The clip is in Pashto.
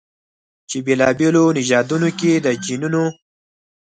چې بېلابېلو نژادونو کې د جینونو